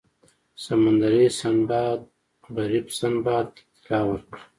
سمندري سنباد غریب سنباد ته طلا ورکړه.